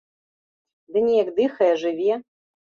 Ды неяк дыхае, жыве.